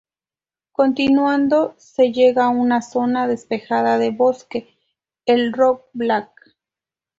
Continuando se llega a una zona despejada de bosque, el Roc Blanc.